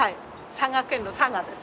佐賀県の「さが」です。